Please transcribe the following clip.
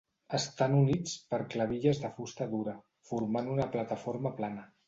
Estan units per clavilles de fusta dura, formant una plataforma plana.